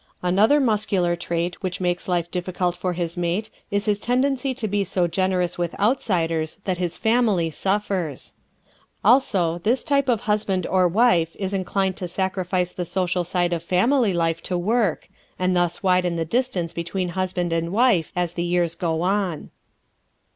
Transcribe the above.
Another Muscular trait which makes life difficult for his mate is his tendency to be so generous with outsiders that his family suffers. Also this type of husband or wife is inclined to sacrifice the social side of family life to work and thus widen the distance between husband and wife as the years go on.